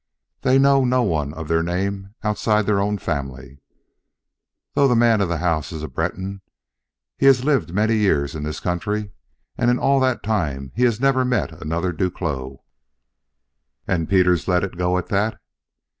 They know no one of their name outside their own family. Though the man of the house is Breton born, he has lived many years in this country, and in all that time has never met another Duclos." "And Peters let it go at that?"